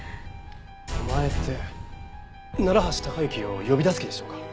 お前って楢橋高行を呼び出す気でしょうか？